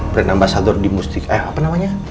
prenambah sadur di mustika eh apa namanya